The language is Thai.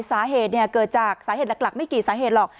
สาเหตุเกิดจากสาเหตุหลักไม่กี่สาเหตุหรอก